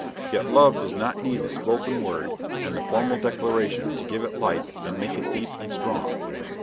Yet love does not need the spoken word and the formal declaration to give it life and make it deep and strong.